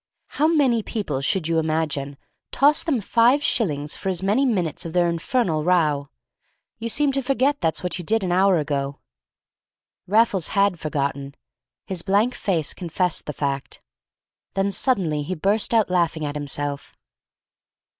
"How many people, should you imagine, toss them five shilling for as many minutes of their infernal row? You seem to forget that's what you did an hour ago!" Raffles had forgotten. His blank face confessed the fact. Then suddenly he burst outlaughing at himself.